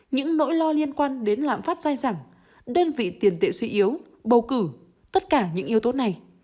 những nỗi lo liên quan đến lạm phát dai dẳng đơn vị tiền tệ suy yếu bầu cử tất cả những yếu tố này